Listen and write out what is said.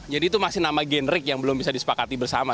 jadi itu masih nama generik yang belum bisa disepakati bersama